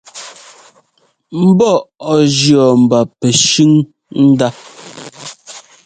Mbɔ ɔ jʉ̈ mba pɛshʉ́n ndá.